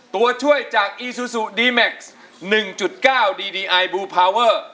ตัวช่วยจากอีซูซูดีแม็กซ์หนึ่งจุดเก้าดีดีไอบูร์พาวเวอร์